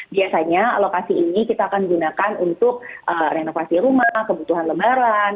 biasanya alokasi ini kita akan gunakan untuk renovasi rumah kebutuhan lebaran